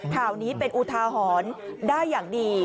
ข่าวนี้เป็นอุทาหรณ์ได้อย่างดี